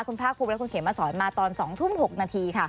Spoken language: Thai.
คุณภาคภูมิและคุณเขมสอนมาตอน๒ทุ่ม๖นาทีค่ะ